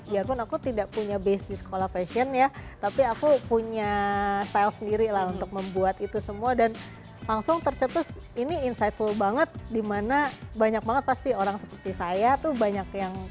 ya pun aku tidak punya base di sekolah fashion ya tapi aku punya style sendiri lah untuk membuat itu semua dan langsung tercetus ini insightful banget dimana banyak banget pasti orang seperti saya tuh banyak yang